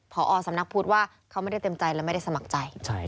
พอสำนักพุทธว่าเขาไม่ได้เต็มใจและไม่ได้สมัครใจ